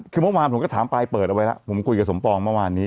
คือเมื่อวานผมก็ถามปลายเปิดเอาไว้แล้วผมคุยกับสมปองเมื่อวานนี้